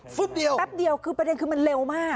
แป๊บเดียวแป๊บเดียวคือประเด็นคือมันเร็วมาก